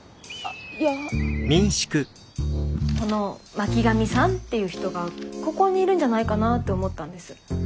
この巻上さんっていう人がここにいるんじゃないかなって思ったんです。